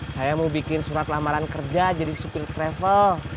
saya mau bikin surat lamaran kerja jadi supir travel